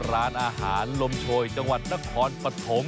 ร้านอาหารลมโชยจังหวัดนครปฐม